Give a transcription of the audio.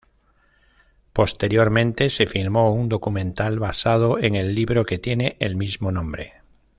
Posteriormente, se filmó un documental basado en el libro que tiene el mismo nombre.